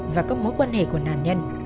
và các mối quan hệ của nạn nhân